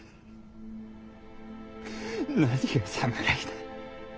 何が侍だ。